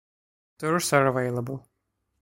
Tours are available.